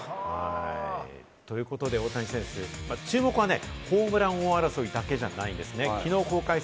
ということで、大谷選手、注目はホームラン王争いだけじゃないんですね。